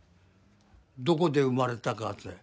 どこで生まれたかっつうの。